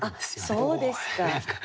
そうですか。